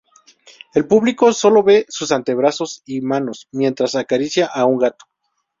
El público solo ve sus antebrazos y manos mientras acaricia a un gato.